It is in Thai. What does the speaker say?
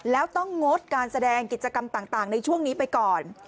แล้วต้องงดการแสดงกิจกรรมต่างในช่วงนี้ไปก่อน